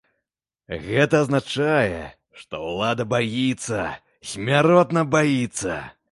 Гэта азначае, што ўлада баіцца, смяротна баіцца.